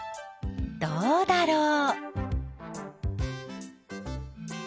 どうだろう？